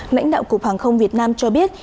lãnh đạo cục hàng không việt nam cho biết